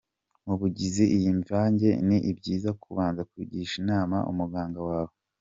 mu bigize iyi mvange ni byiza kubanza kugisha inama umuganga wawe.